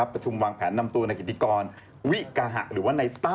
ประชุมวางแผนนำตัวในกิติกรวิกาหะหรือว่าในตั้